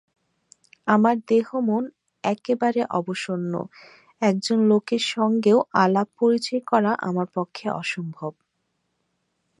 আমার দেহ মন একেবারে অবসন্ন, একজন লোকের সঙ্গেও আলাপ-পরিচয় করা আমার পক্ষে অসম্ভব।